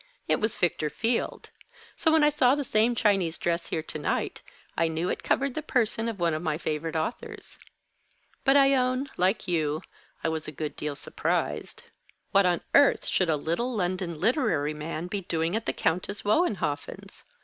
It was Victor Field. So, when I saw the same Chinese dress here to night, I knew it covered the person of one of my favorite authors. But I own, like you, I was a good deal surprised. What on earth should a little London literary man be doing at the Countess Wohenhoffen's?